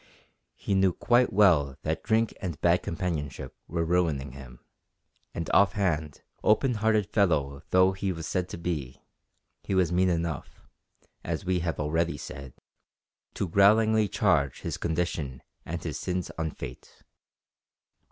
He knew quite well that drink and bad companionship were ruining him, and off hand, open hearted fellow though he was said to be, he was mean enough, as we have already said, to growlingly charge his condition and his sins on Fate.